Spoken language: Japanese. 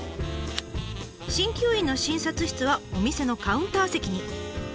鍼灸院の診察室はお店のカウンター席に。